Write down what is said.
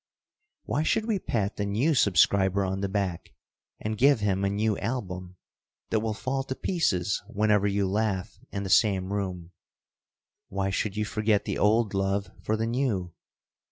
Why should we pat the new subscriber on the back, and give him a new album that will fall to pieces whenever you laugh in the same room? Why should you forget the old love for the new?